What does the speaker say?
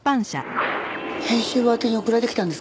編集部宛てに送られてきたんですか？